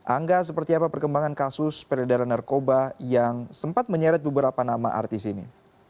angga seperti apa perkembangan kasus peredaran narkoba yang sempat menyeret beberapa nama artis ini